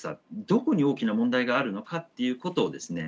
どこに大きな問題があるのかっていうことをですね